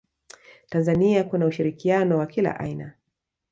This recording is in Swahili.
tanzania kuna ushirikiano wa kila aina